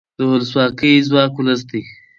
د ولسواکۍ ځواک ولس دی